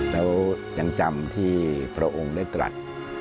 แล้วยังจำที่พระองค์ได้ตรัส